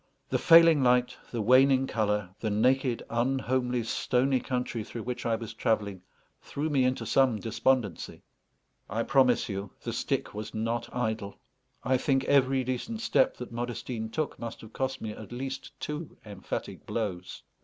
The failing light, the waning colour, the naked, unhomely, stony country through which I was travelling, threw me into some despondency. I promise you, the stick was not idle; I think every decent step that Modestine took must have cost me at least two emphatic blows.